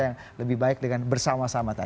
yang lebih baik dengan bersama sama tadi